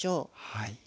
はい。